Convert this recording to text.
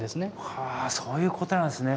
はあそういうことなんですね。